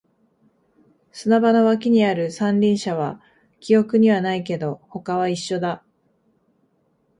砂場の脇にある三輪車は記憶にはないけど、他は一緒だ